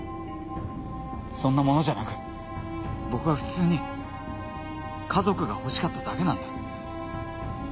そんなものじゃなく僕は普通に家族が欲しかっただけなんだ